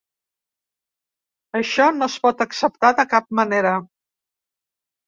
Això no es pot acceptar de cap manera.